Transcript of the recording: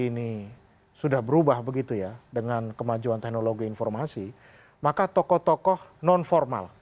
ini sudah berubah begitu ya dengan kemajuan teknologi informasi maka tokoh tokoh non formal